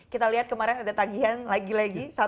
kita lihat kemarin ada tagihan lagi lagi